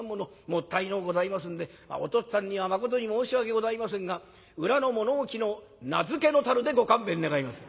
もったいのうございますんでお父っつぁんにはまことに申し訳ございませんが裏の物置の菜漬の樽でご勘弁願います」。